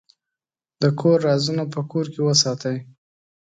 د کور رازونه په کور کې وساتئ.